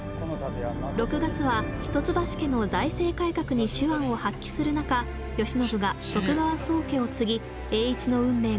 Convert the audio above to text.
６月は一橋家の財政改革に手腕を発揮する中慶喜が徳川宗家を継ぎ栄一の運命が大きく動き出します。